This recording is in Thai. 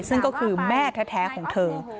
ซึ่งก็คือแม่แท้ของเธอ